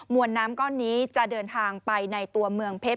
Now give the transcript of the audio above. วนน้ำก้อนนี้จะเดินทางไปในตัวเมืองเพชร